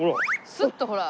スッとほら。